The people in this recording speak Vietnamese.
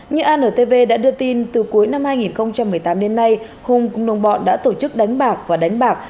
như antv đã đưa tin từ cuối năm hai nghìn một mươi tám đến nay hùng cùng đồng bọn đã tổ chức đánh bạc và đánh bạc